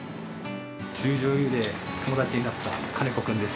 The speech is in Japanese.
十條湯で友達になった金子君です。